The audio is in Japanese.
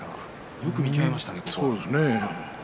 よく見えましたね。